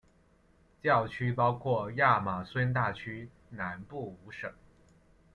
教区包括亚马孙大区南部五省。